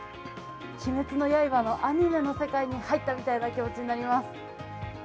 「鬼滅の刃」のアニメの世界に入ったみたいな気持ちになります。